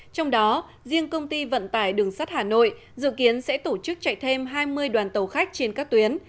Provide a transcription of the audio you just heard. trong đó riêng công ty vận tải đường sắt hà nội dự kiến sẽ tổ chức chạy thêm hai mươi đoàn tàu khách trên các tuyến